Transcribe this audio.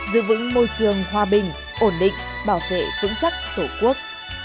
giữ vững môi trường hòa bình ổn định bảo vệ vững chắc tổ quốc